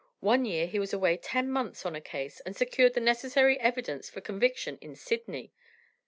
One year he was away ten months on a case, and secured the necessary evidence for conviction in Sydney."